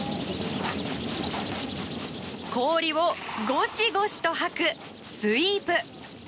氷をゴシゴシと掃くスイープ。